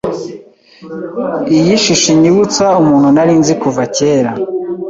Iyo shusho inyibutsa umuntu nari nzi kuva kera.